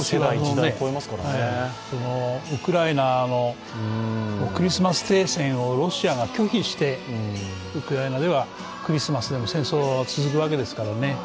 ウクライナのクリスマス停戦をロシアが拒否して、ウクライナではクリスマスでも戦争は続くわけですからね。